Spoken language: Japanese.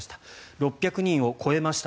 ６００人を超えました。